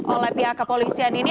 oleh pihak kepolisian ini